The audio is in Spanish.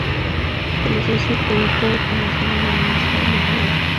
Realizó su periplo de formación en la Universidad de Hawai.